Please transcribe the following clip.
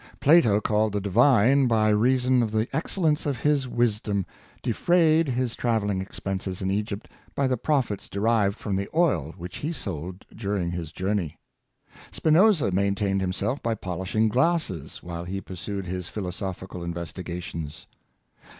Plato, called the Divine by reason of the excellence of his wisdom, defrayed his traveling expenses in Egypt by the profits derived from the oil which he sold during his journey. Spinoza maintained himself by polishing glasses while he pursued his philosophical investigations.